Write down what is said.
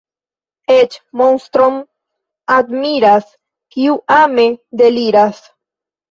Eĉ monstron admiras, kiu ame deliras.